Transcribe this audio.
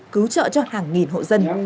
cứu trợ cho hàng nghìn hộ dân